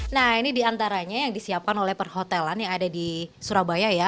nah ini diantaranya yang disiapkan oleh perhotelan yang ada di surabaya ya